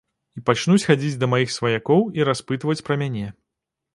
І пачнуць хадзіць да маіх сваякоў і распытваць пра мяне.